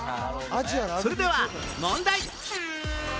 それでは問題